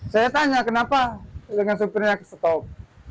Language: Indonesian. saya tanya kenapa dengan sopirnya ke stop